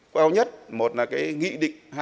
quy quen nhất một là nghị định hai trăm linh hai